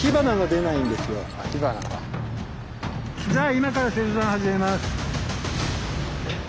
じゃあ今から切断始めます。